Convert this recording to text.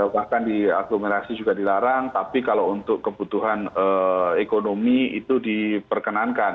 bahkan di aglomerasi juga dilarang tapi kalau untuk kebutuhan ekonomi itu diperkenankan